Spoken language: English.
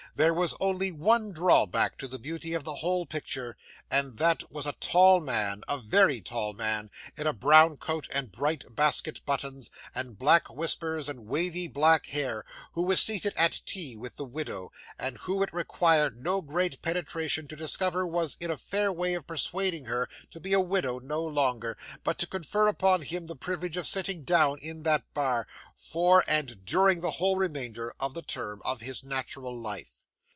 There was only one drawback to the beauty of the whole picture, and that was a tall man a very tall man in a brown coat and bright basket buttons, and black whiskers and wavy black hair, who was seated at tea with the widow, and who it required no great penetration to discover was in a fair way of persuading her to be a widow no longer, but to confer upon him the privilege of sitting down in that bar, for and during the whole remainder of the term of his natural life.